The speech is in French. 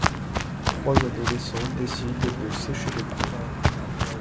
Trois adolescents décident de sécher les cours.